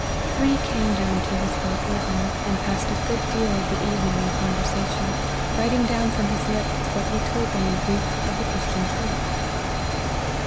Three came down to his boat with him, and passed a good deal of the evening in conversation ; writing down from his lips what he told them in brief of Christian truth."